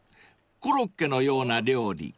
［コロッケのような料理］